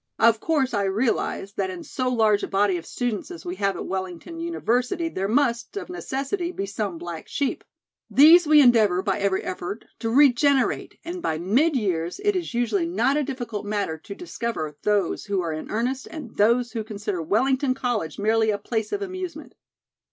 Of course, I realize, that in so large a body of students as we have at Wellington University there must, of necessity, be some black sheep. These we endeavor, by every effort, to regenerate and by mid years it is usually not a difficult matter to discover those who are in earnest and those who consider Wellington College merely a place of amusement.